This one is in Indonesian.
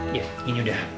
iya ini udah